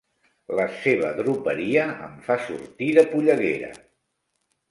La seva droperia em fa sortir de polleguera!